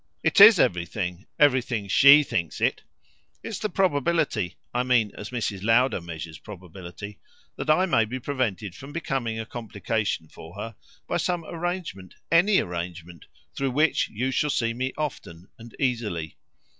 "It IS everything; everything SHE thinks it. It's the probability I mean as Mrs. Lowder measures probability that I may be prevented from becoming a complication for her by some arrangement, ANY arrangement, through which you shall see me often and easily.